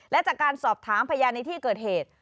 และจากการสอบถามพยานในที่เกิดเหตุ